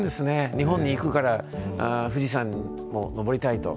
日本に行くから富士山に登りたいと。